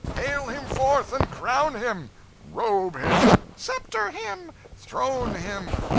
"Hale him forth, and crown him!" "Robe him!" "Sceptre him!" "Throne him!"